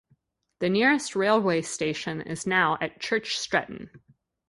The nearest railway station is now at Church Stretton.